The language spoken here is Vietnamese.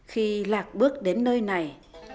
khi lạc bước đến nơi này